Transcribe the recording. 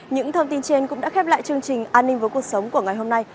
những thông tin trên cũng đã khép lại chương trình an ninh với cuộc sống của ngày hôm nay